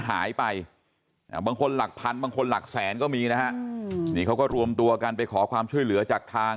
หายไปบางคนหลักพันบางคนหลักแสนก็มีนะฮะนี่เขาก็รวมตัวกันไปขอความช่วยเหลือจากทาง